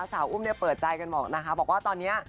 สาวอุ้มเปิดใจกันบอกว่าตอนนี้